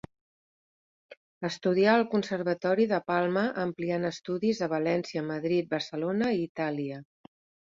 Estudià al Conservatori de Palma, ampliant estudis a València, Madrid, Barcelona i Itàlia.